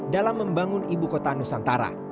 dalam membangun ibu kota nusantara